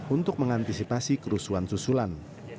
untuk mengantisipasi kerusuhan susulan